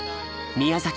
宮崎